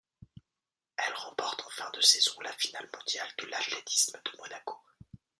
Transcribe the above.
Elle remporte en fin de saison la Finale mondiale de l'athlétisme de Monaco.